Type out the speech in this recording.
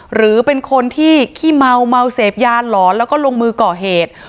หรือเป็นคนที่ขี้เมาเมาเสพยาหลอนแล้วก็ลงมือก่อเหตุ